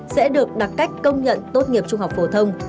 sẽ được đặt cách công nhận tốt nghiệp trung học phổ thông